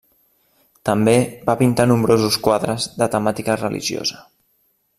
També va pintar nombrosos quadres de temàtica religiosa.